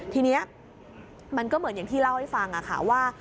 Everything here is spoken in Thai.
ทีนี้มันก็เหมือนอย่างที่เล่าให้ฟังค่ะว่า